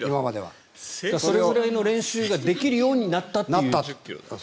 それぐらいの練習ができるようになったという。